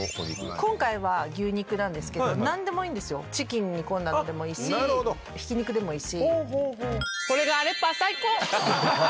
今回は牛肉ですけど何でもいいんですよチキン煮込んだのでもいいしひき肉でもいいし。